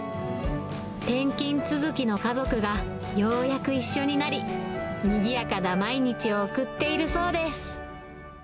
転勤続きの家族がようやく一緒になり、にぎやかな毎日を送っているそうです。